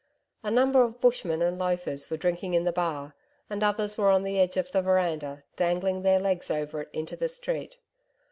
A number of Bushmen and loafers were drinking in the bar, and others were on the edge of the veranda dangling their legs over it into the street.